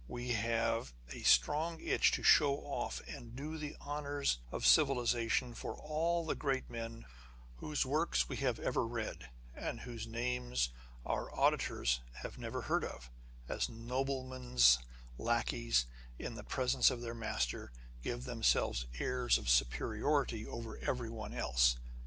We have a strong itch to show off and do the honours of civilization for all the great men whose Avorks we have ever read, and whose names our auditors have never heard of, as noblemen's lacqueys, in the absence of their masters, give themselves airs of superiority over everyone else.